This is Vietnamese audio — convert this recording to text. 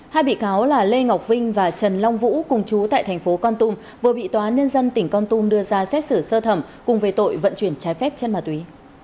hai bị cáo là lê ngọc vinh và trần long vũ cùng chú tại thành phố con tum vừa bị tòa nhân dân tỉnh con tum đưa ra xét xử sơ thẩm cùng về tội vận chuyển trái phép chất ma túy